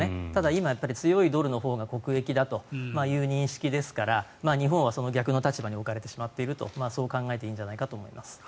今、やっぱり強いドルのほうが国益だという認識ですから日本はその逆の立場に置かれてしまっていると考えていいと思います。